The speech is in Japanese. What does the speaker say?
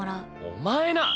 お前な。